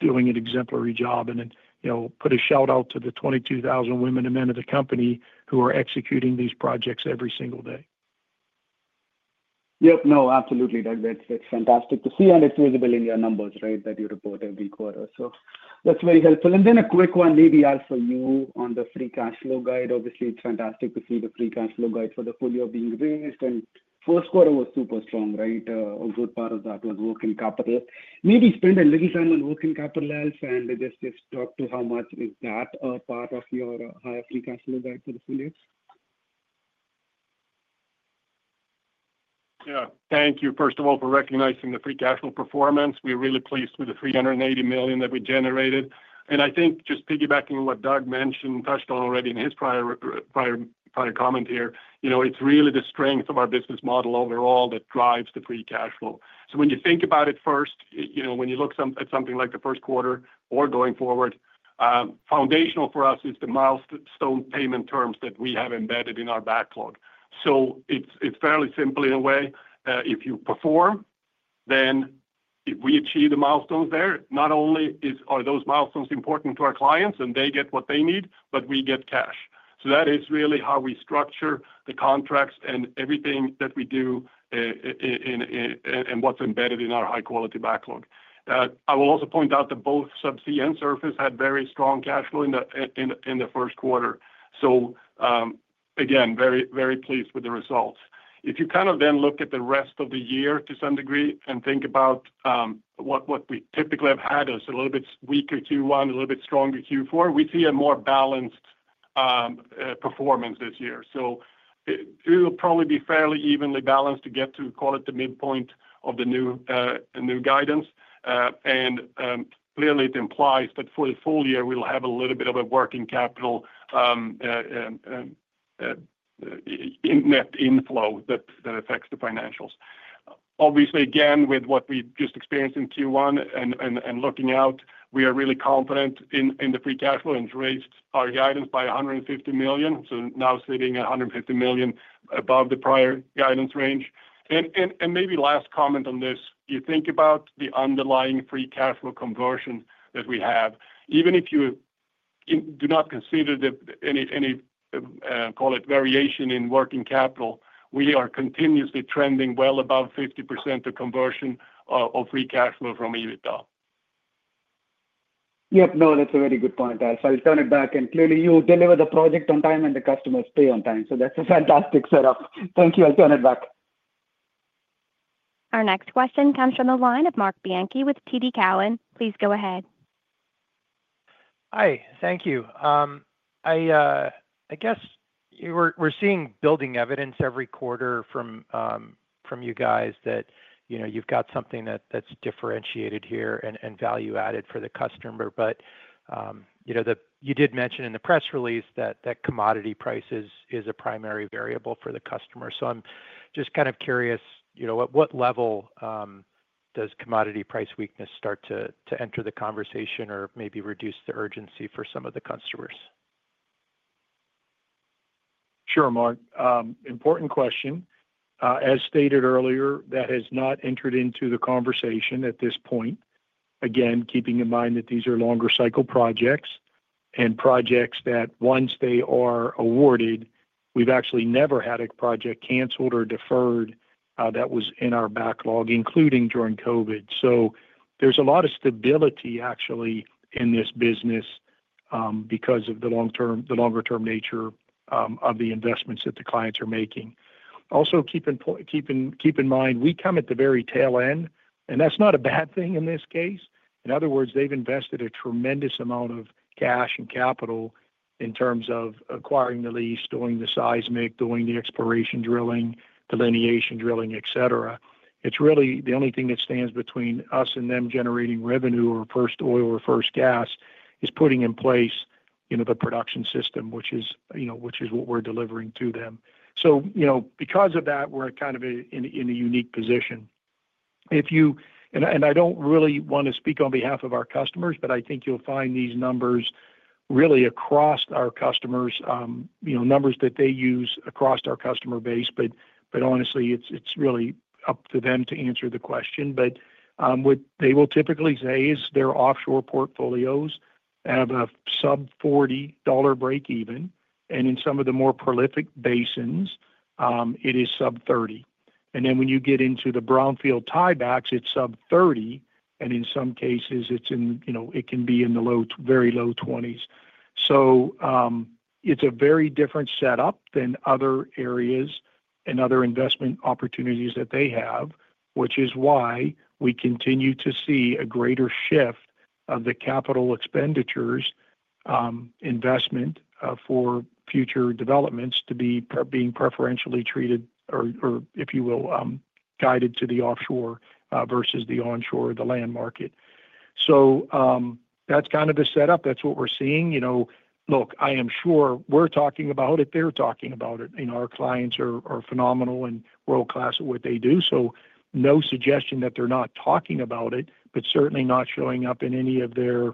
doing an exemplary job. I want to put a shout out to the 22,000 women and men of the company who are executing these projects every single day. Yep. No, absolutely, Doug. That is fantastic to see. It is visible in your numbers, right, that you report every quarter. That is very helpful. A quick one, maybe also you on the free cash flow guide. Obviously, it is fantastic to see the free cash flow guide for the full year being raised. First quarter was super strong, right? A good part of that was working capital. Maybe spend a little time on working capital, Alf, and just talk to how much is that a part of your higher free cash flow guide for the full year? Yeah. Thank you, first of all, for recognizing the free cash flow performance. We're really pleased with the $380 million that we generated. I think just piggybacking on what Doug mentioned and touched on already in his prior comment here, it's really the strength of our business model overall that drives the free cash flow. When you think about it first, when you look at something like the first quarter or going forward, foundational for us is the milestone payment terms that we have embedded in our backlog. It's fairly simple in a way. If you perform, then we achieve the milestones there. Not only are those milestones important to our clients and they get what they need, but we get cash. That is really how we structure the contracts and everything that we do and what's embedded in our high-quality backlog. I will also point out that both subsea and surface had very strong cash flow in the first quarter. Very, very pleased with the results. If you kind of then look at the rest of the year to some degree and think about what we typically have had as a little bit weaker Q1, a little bit stronger Q4, we see a more balanced performance this year. It will probably be fairly evenly balanced to get to, call it the midpoint of the new guidance. Clearly, it implies that for the full year, we'll have a little bit of a working capital net inflow that affects the financials. Obviously, again, with what we've just experienced in Q1 and looking out, we are really confident in the free cash flow and raised our guidance by $150 million. Now sitting at $150 million above the prior guidance range. Maybe last comment on this, you think about the underlying free cash flow conversion that we have. Even if you do not consider any, call it, variation in working capital, we are continuously trending well above 50% of conversion of free cash flow from EBITDA. Yep. No, that's a very good point, Alf. I'll turn it back. Clearly, you deliver the project on time and the customers pay on time. That's a fantastic setup. Thank you. I'll turn it back. Our next question comes from the line of Marc Bianchi with TD Cowen. Please go ahead. Hi. Thank you. I guess we're seeing building evidence every quarter from you guys that you've got something that's differentiated here and value-added for the customer. You did mention in the press release that commodity price is a primary variable for the customer. I'm just kind of curious, at what level does commodity price weakness start to enter the conversation or maybe reduce the urgency for some of the customers? Sure, Marc. Important question. As stated earlier, that has not entered into the conversation at this point. Again, keeping in mind that these are longer-cycle projects and projects that once they are awarded, we've actually never had a project canceled or deferred that was in our backlog, including during COVID. There is a lot of stability, actually, in this business because of the longer-term nature of the investments that the clients are making. Also, keep in mind, we come at the very tail end, and that's not a bad thing in this case. In other words, they've invested a tremendous amount of cash and capital in terms of acquiring the lease, doing the seismic, doing the exploration drilling, delineation drilling, etc. It's really the only thing that stands between us and them generating revenue or first oil or first gas is putting in place the production system, which is what we're delivering to them. Because of that, we're kind of in a unique position. I don't really want to speak on behalf of our customers, but I think you'll find these numbers really across our customers, numbers that they use across our customer base. Honestly, it's really up to them to answer the question. What they will typically say is their offshore portfolios have a sub-$40 break-even. In some of the more prolific basins, it is sub-$30. When you get into the brownfield tiebacks, it's sub-$30. In some cases, it can be in the very low $20s. It is a very different setup than other areas and other investment opportunities that they have, which is why we continue to see a greater shift of the capital expenditures investment for future developments to be being preferentially treated or, if you will, guided to the offshore versus the onshore, the land market. That is kind of the setup. That is what we are seeing. Look, I am sure we are talking about it. They are talking about it. Our clients are phenomenal and world-class at what they do. No suggestion that they are not talking about it, but certainly not showing up in any of the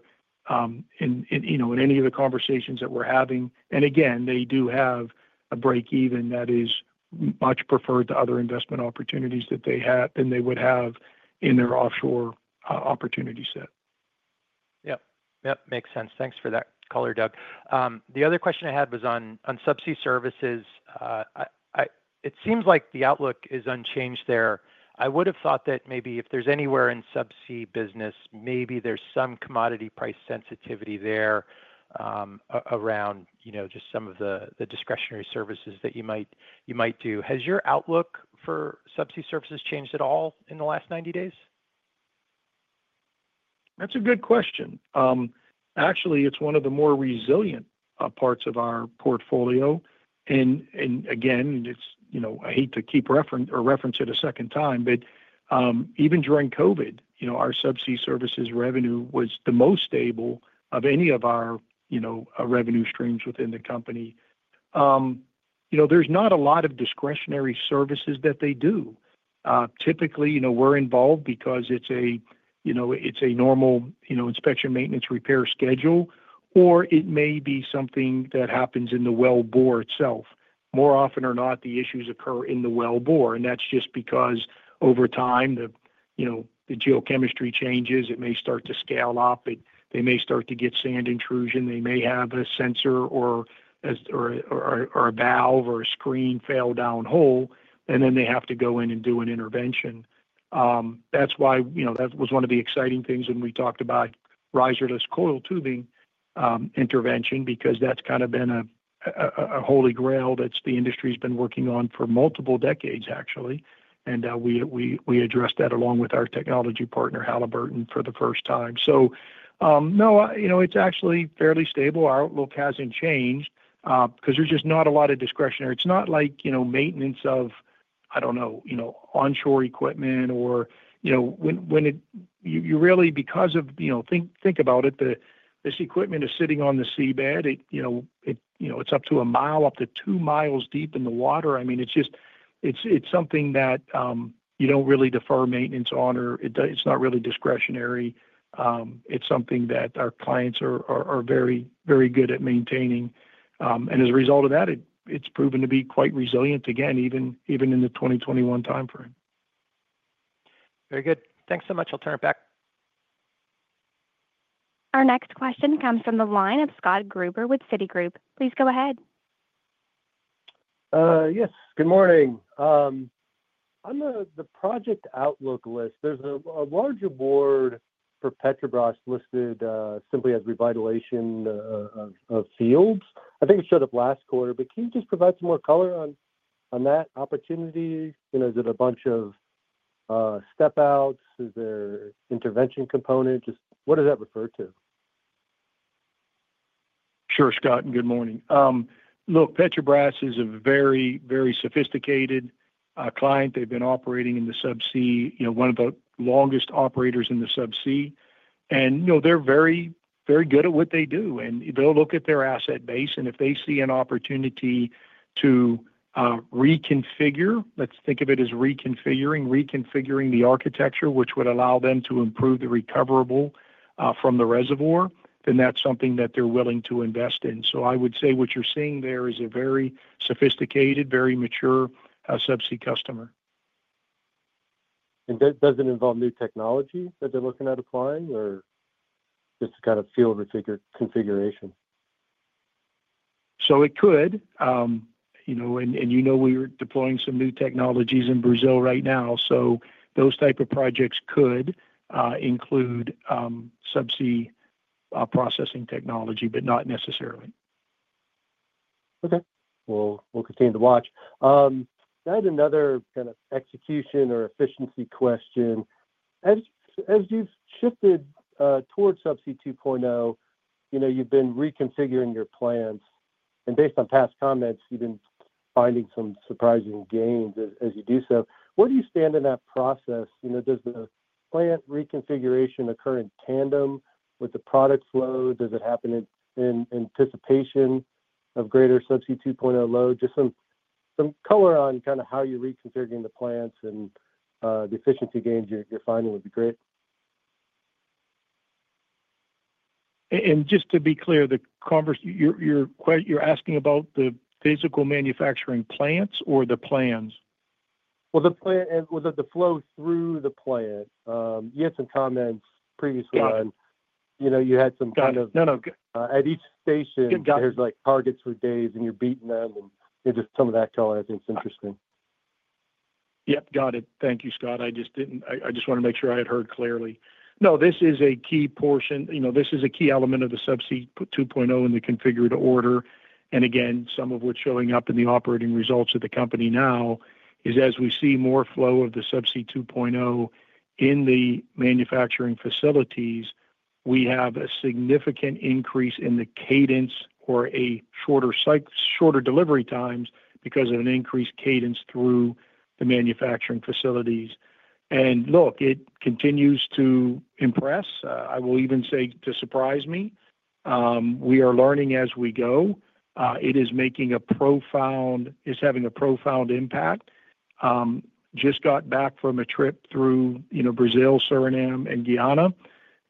conversations that we are having. Again, they do have a break-even that is much preferred to other investment opportunities that they would have in their offshore opportunity set. Yep. Yep. Makes sense. Thanks for that color, Doug. The other question I had was on subsea services. It seems like the outlook is unchanged there. I would have thought that maybe if there's anywhere in subsea business, maybe there's some commodity price sensitivity there around just some of the discretionary services that you might do. Has your outlook for subsea services changed at all in the last 90 days? That's a good question. Actually, it's one of the more resilient parts of our portfolio. Again, I hate to keep referencing or reference it a second time, but even during COVID, our subsea services revenue was the most stable of any of our revenue streams within the company. There's not a lot of discretionary services that they do. Typically, we're involved because it's a normal inspection, maintenance, repair schedule, or it may be something that happens in the wellbore itself. More often than not, the issues occur in the wellbore. That's just because over time, the geochemistry changes. It may start to scale up. They may start to get sand intrusion. They may have a sensor or a valve or a screen fail downhole, and then they have to go in and do an intervention. That's why that was one of the exciting things when we talked about Riserless Coiled Tubing intervention because that's kind of been a holy grail that the industry has been working on for multiple decades, actually. We addressed that along with our technology partner, Halliburton, for the first time. No, it's actually fairly stable. Our outlook hasn't changed because there's just not a lot of discretionary. It's not like maintenance of, I don't know, onshore equipment or when you really, because if you think about it, this equipment is sitting on the seabed. It's up to a mile, up to 2 mi deep in the water. I mean, it's something that you don't really defer maintenance on, or it's not really discretionary. It's something that our clients are very, very good at maintaining. As a result of that, it's proven to be quite resilient, again, even in the 2021 timeframe. Very good. Thanks so much. I'll turn it back. Our next question comes from the line of Scott Gruber with Citigroup. Please go ahead. Yes. Good morning. On the project outlook list, there's a larger award for Petrobras listed simply as revitalization of fields. I think it showed up last quarter, but can you just provide some more color on that opportunity? Is it a bunch of step-outs? Is there an intervention component? What does that refer to? Sure, Scott. Good morning. Look, Petrobras is a very, very sophisticated client. They've been operating in the subsea, one of the longest operators in the subsea. They're very, very good at what they do. They'll look at their asset base, and if they see an opportunity to reconfigure, let's think of it as reconfiguring, reconfiguring the architecture, which would allow them to improve the recoverable from the reservoir, then that's something that they're willing to invest in. I would say what you're seeing there is a very sophisticated, very mature subsea customer. Does it involve new technology that they're looking at applying or just kind of field configuration? It could. You know we're deploying some new technologies in Brazil right now. Those types of projects could include subsea processing technology, but not necessarily. Okay. We'll continue to watch. I had another kind of execution or efficiency question. As you've shifted towards Subsea 2.0, you've been reconfiguring your plants. Based on past comments, you've been finding some surprising gains as you do so. Where do you stand in that process? Does the plant reconfiguration occur in tandem with the product flow? Does it happen in anticipation of greater Subsea 2.0 load? Just some color on kind of how you're reconfiguring the plants and the efficiency gains you're finding would be great. Just to be clear, you're asking about the physical manufacturing plants or the plans? The flow through the plant. You had some comments previously on you had some kind of. Got it. No, no. Good. At each station, there's targets for days, and you're beating them. Just some of that color, I think, is interesting. Got it. Thank you, Scott. I just wanted to make sure I had heard clearly. No, this is a key portion. This is a key element of the Subsea 2.0 in the configured order. Some of what's showing up in the operating results of the company now is as we see more flow of the Subsea 2.0 in the manufacturing facilities, we have a significant increase in the cadence or shorter delivery times because of an increased cadence through the manufacturing facilities. Look, it continues to impress. I will even say to surprise me. We are learning as we go. It is making a profound, it's having a profound impact. Just got back from a trip through Brazil, Suriname, and Guyana.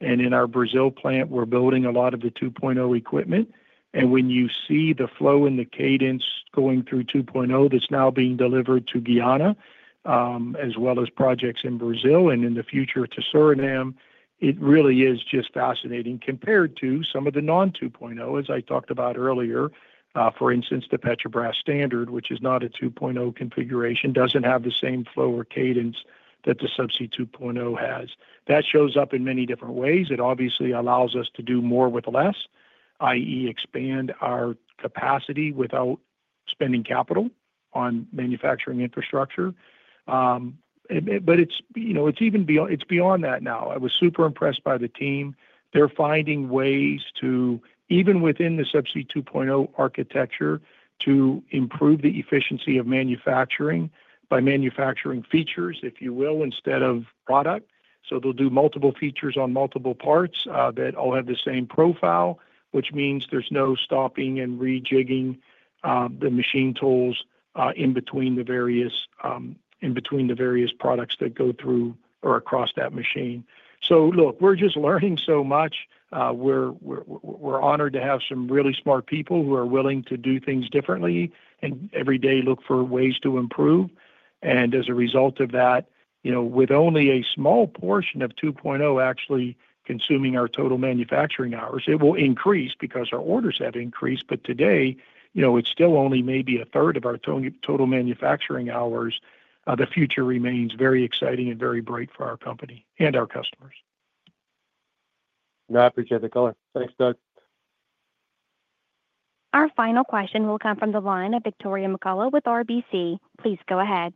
In our Brazil plant, we're building a lot of the 2.0 equipment. When you see the flow and the cadence going through 2.0 that is now being delivered to Guyana, as well as projects in Brazil and in the future to Suriname, it really is just fascinating compared to some of the non-2.0, as I talked about earlier. For instance, the Petrobras standard, which is not a 2.0 configuration, does not have the same flow or cadence that the Subsea 2.0 has. That shows up in many different ways. It obviously allows us to do more with less, i.e., expand our capacity without spending capital on manufacturing infrastructure. It is even beyond that now. I was super impressed by the team. They are finding ways to, even within the Subsea 2.0 architecture, improve the efficiency of manufacturing by manufacturing features, if you will, instead of product. They'll do multiple features on multiple parts that all have the same profile, which means there's no stopping and rejigging the machine tools in between the various products that go through or across that machine. Look, we're just learning so much. We're honored to have some really smart people who are willing to do things differently and every day look for ways to improve. As a result of that, with only a small portion of 2.0 actually consuming our total manufacturing hours, it will increase because our orders have increased. Today, it's still only maybe a third of our total manufacturing hours. The future remains very exciting and very bright for our company and our customers. No, I appreciate the color. Thanks, Doug. Our final question will come from the line of Victoria McCulloch with RBC. Please go ahead.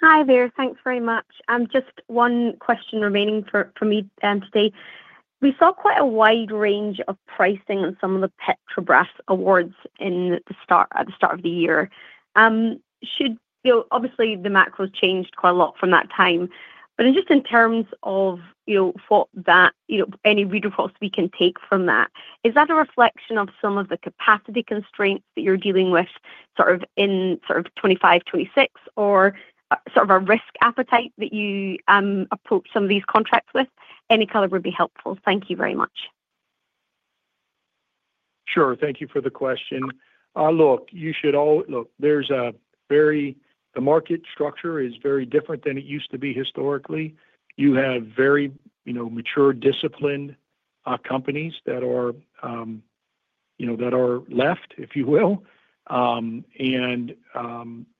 Hi, there. Thanks very much. Just one question remaining for me today. We saw quite a wide range of pricing on some of the Petrobras awards at the start of the year. Obviously, the macro's changed quite a lot from that time. Just in terms of what any read reports we can take from that, is that a reflection of some of the capacity constraints that you're dealing with in 2025, 2026, or a risk appetite that you approach some of these contracts with? Any color would be helpful. Thank you very much. Sure. Thank you for the question. Look, you should all look, the market structure is very different than it used to be historically. You have very mature, disciplined companies that are left, if you will.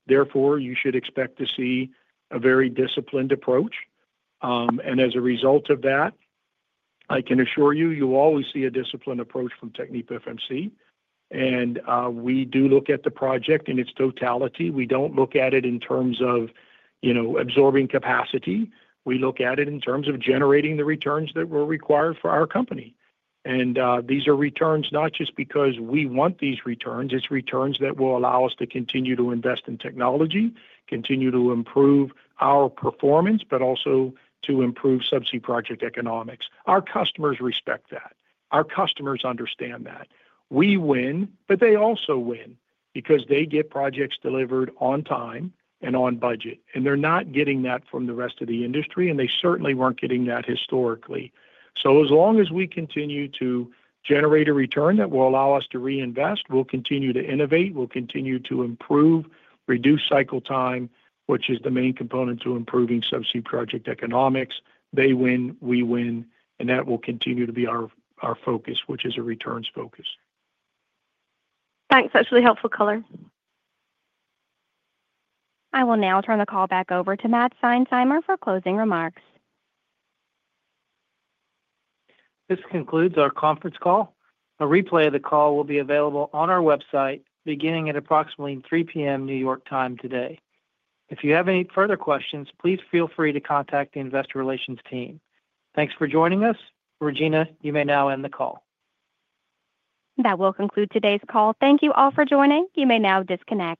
Therefore, you should expect to see a very disciplined approach. As a result of that, I can assure you, you'll always see a disciplined approach from TechnipFMC. We do look at the project in its totality. We don't look at it in terms of absorbing capacity. We look at it in terms of generating the returns that were required for our company. These are returns not just because we want these returns. It's returns that will allow us to continue to invest in technology, continue to improve our performance, but also to improve subsea project economics. Our customers respect that. Our customers understand that. We win, but they also win because they get projects delivered on time and on budget. They are not getting that from the rest of the industry, and they certainly were not getting that historically. As long as we continue to generate a return that will allow us to reinvest, we will continue to innovate. We will continue to improve, reduce cycle time, which is the main component to improving subsea project economics. They win, we win, and that will continue to be our focus, which is a returns focus. Thanks. That's really helpful color. I will now turn the call back over to Matt Seinsheimer for closing remarks. This concludes our conference call. A replay of the call will be available on our website beginning at approximately 3:00 P.M. New York time today. If you have any further questions, please feel free to contact the investor relations team. Thanks for joining us. Regina, you may now end the call. That will conclude today's call. Thank you all for joining. You may now disconnect.